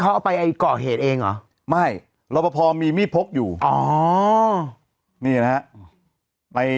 ยังไงยังไงยังไงยังไงยังไง